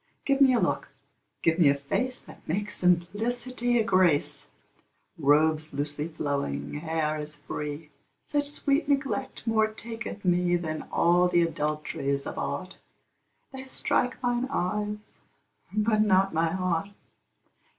Give me a look, give me a face, That makes simplicity a grace; Robes loosely flowing, hair as free: Such sweet neglect more taketh me Than all the adulteries of art; They strike mine eyes, but not my heart.